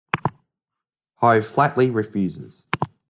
Ho flatly refuses.